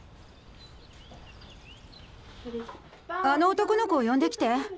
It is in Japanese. あの男の子を呼んできて。